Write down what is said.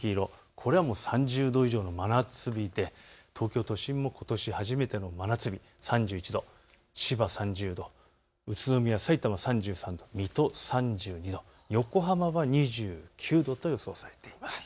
これは３０度以上の真夏日で東京都心でもことし初めての真夏日、３１度、千葉３０度、宇都宮、さいたま３３度、水戸３２度、横浜は２９度と予想されています。